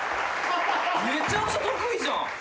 めちゃくちゃ得意じゃん。